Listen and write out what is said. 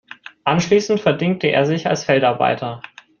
Anschließend verdingte er sich als Feldarbeiter.